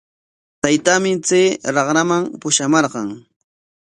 Taytaami chay raqraman pushamarqan.